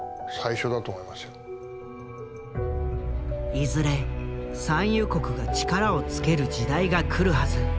いずれ産油国が力をつける時代が来るはず。